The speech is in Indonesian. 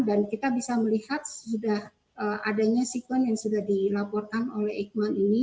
dan kita bisa melihat sudah adanya sekuen yang sudah dilaporkan oleh ikma ini